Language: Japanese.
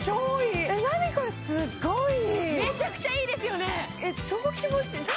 めちゃくちゃいいですよね